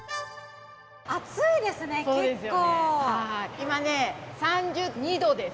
今ね３２℃です。